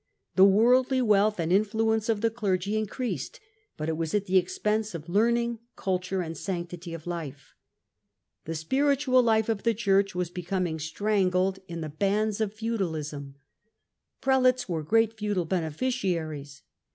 The worldly wealth and influence of the clergy increased, but it was at the expense of learning, culture, and sanctity of life. The spiritual life of the Church was becoming strangled in Digitized by VjOOQIC tSTRODUCTOkV It the bands of feudalism. Prelates were great_fendal beneficiaries.